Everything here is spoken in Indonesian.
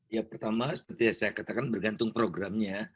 ya pertama seperti yang saya katakan bergantung programnya